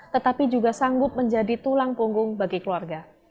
tetapi juga sanggup menjadi tulang punggung bagi keluarga